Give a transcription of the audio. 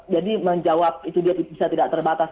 menjawab itu dia bisa tidak terbatas